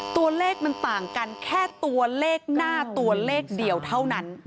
ตัวเลขมันต่างกันแค่ตัวเลขหน้าตัวเลขเดียวเท่านั้น